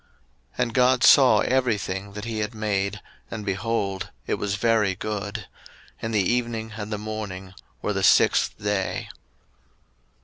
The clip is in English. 01:001:031 And God saw every thing that he had made, and, behold, it was very good. And the evening and the morning were the sixth day.